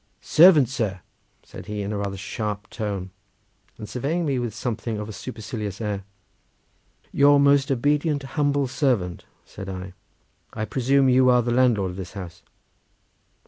"Servant, sir!" said he in rather a sharp tone, and surveying me with something of a supercilious air. "Your most obedient humble servant!" said I; "I presume you are the landlord of this house."